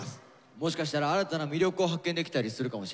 もしかしたら新たな魅力を発見できたりするかもしれませんからね。